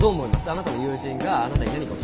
あなたの友人があなたに何かをしてくれた。